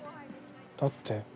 だって。